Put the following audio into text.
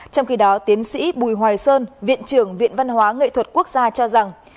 trong khi đó tiến sĩ bùi hoài sơn viện trưởng viện văn hóa nghệ thuật quốc gia cho rằng